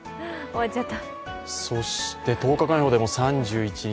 そして、１０日間予報でも３１日。